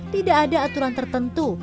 tidak ada aturan tertentu